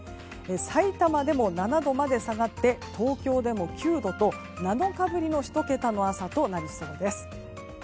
さいたまでも７度まで下がって東京でも９度と７日ぶりの１桁の朝となりそうです。